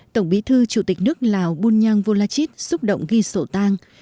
tổng bí thư chủ tịch nước lào bunyang volachit xúc động ghi sổ tang